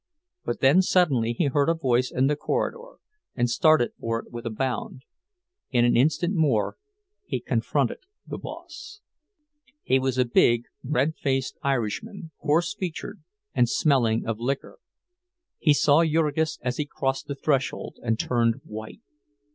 But then suddenly he heard a voice in the corridor, and started for it with a bound. In an instant more he fronted the boss. He was a big, red faced Irishman, coarse featured, and smelling of liquor. He saw Jurgis as he crossed the threshold, and turned white.